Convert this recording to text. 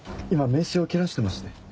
今名刺を切らしてまして。